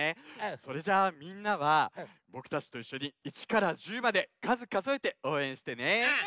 それじゃあみんなはぼくたちといっしょに１から１０までかずかぞえておうえんしてね！